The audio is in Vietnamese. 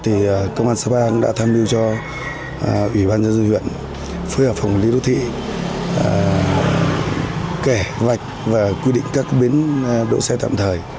thì công an sapa cũng đã tham biêu cho ủy ban giáo dư huyện phối hợp phòng lý đốc thị kẻ vạch và quy định các biến đỗ xe tạm thời